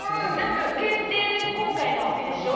限定公開なわけでしょ。